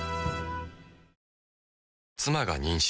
妻が妊娠。